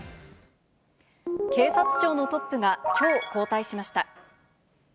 警察庁のトップが、きょう交代しました。